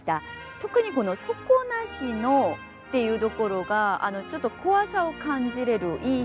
特にこの「底なしの」っていうところがちょっと怖さを感じれるいい表現ですよね。